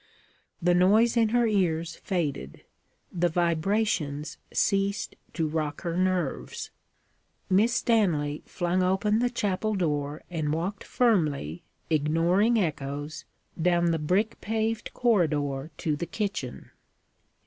The noise in her ears faded; the vibrations ceased to rock her nerves. Miss Stanley flung open the chapel door, and walked firmly, ignoring echoes, down the brick paved corridor to the kitchen.